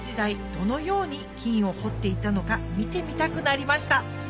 どのように金を掘っていたのか見てみたくなりました